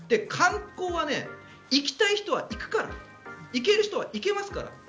観光は行きたい人は行くから行ける人は行けますから。